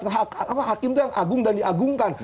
hakim itu yang agung dan diagungkan